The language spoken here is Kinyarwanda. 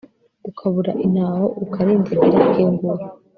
ukabura intaho ukarindagira, kingura